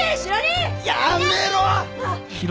やめろ！